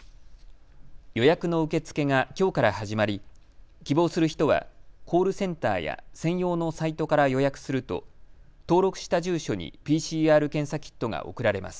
予約の受け付けがきょうから始まり希望する人はコールセンターや専用のサイトから予約すると登録した住所にＰＣＲ検査キットが送られます。